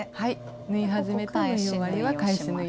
縫い始めと縫い終わりは返し縫いで。